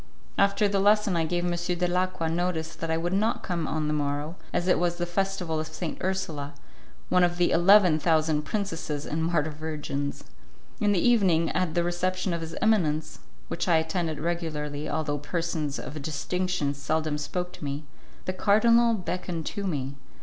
After the lesson I gave M. Dalacqua notice that I would not come on the morrow, as it was the Festival of St. Ursula, one of the eleven thousand princesses and martyr virgins. In the evening, at the reception of his eminence, which I attended regularly, although persons of distinction seldom spoke to me, the cardinal beckoned to me.